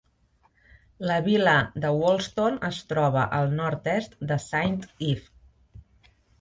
La vila de Woolston es troba al nord-est de Saint Ive.